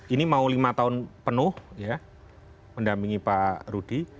ini mau lima tahun penuh ya mendampingi pak rudi